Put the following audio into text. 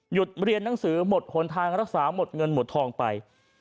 เรียนหนังสือหมดหนทางรักษาหมดเงินหมดทองไป